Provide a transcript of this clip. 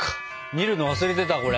見るの忘れてたこれ。